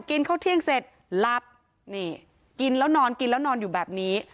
กินข้าวเที่ยงเสร็จหลับนี่กินแล้วนอนกินแล้วนอนอยู่แบบนี้